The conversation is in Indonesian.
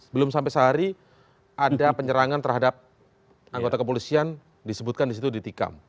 belum sampai sehari ada penyerangan terhadap anggota kepolisian disebutkan di situ ditikam